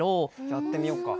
やってみようか。